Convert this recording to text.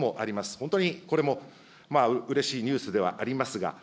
本当にこれもうれしいニュースではありますが。